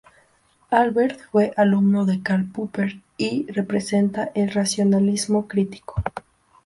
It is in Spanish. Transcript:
Albert fue alumno de Karl Popper y representa el racionalismo crítico.